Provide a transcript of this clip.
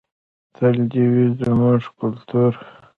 تل دې وي زموږ کلتور.